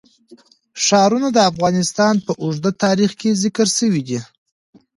ښارونه د افغانستان په اوږده تاریخ کې ذکر شوی دی.